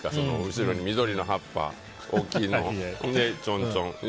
後ろに緑の葉っぱ大きいの、ちょんちょん。